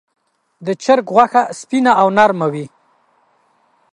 د چرګ غوښه سپینه او نرمه وي.